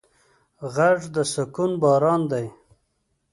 غږ د سکون باران دی